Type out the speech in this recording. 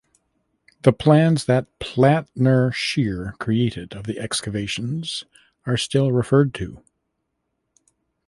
The plans that Platner Shear created of the excavations are still referred to.